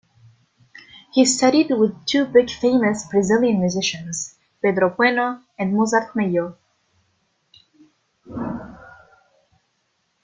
He studied with two big famous Brazilian musicians: Pedro Bueno and Mozart Mello.